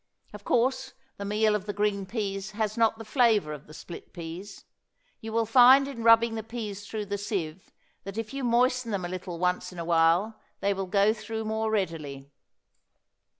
Of course the meal of the green peas has not the flavor of the split peas. You will find in rubbing the peas through the sieve that if you moisten them a little once in a while they will go through more readily.